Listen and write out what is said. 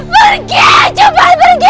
pergi cepat pergi